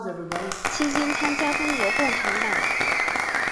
期间参加中国共产党。